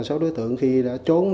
số đối tượng khi đã trốn